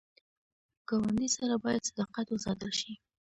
ګاونډي سره باید صداقت وساتل شي